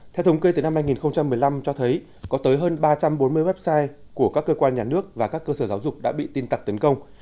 theo thống kê từ năm hai nghìn một mươi năm cho thấy có tới hơn ba trăm bốn mươi website của các cơ quan nhà nước và các cơ sở giáo dục đã bị tin tặc tấn công